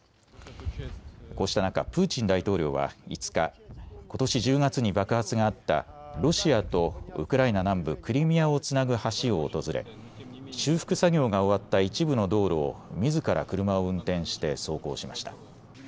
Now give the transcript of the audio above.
こうした中、プーチン大統領は５日、ことし１０月に爆発があったロシアとウクライナ南部クリミアをつなぐ橋を訪れ修復作業が終わった一部の道路をみずから車を運転して走行しました。